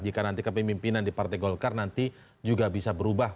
jika nanti kepemimpinan di partai golkar nanti juga bisa berubah